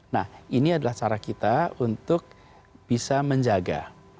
nah ini adalah cara kita untuk bisa menjaga